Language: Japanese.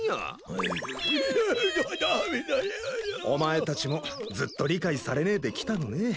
お前たちもずっと理解されねえできたのね。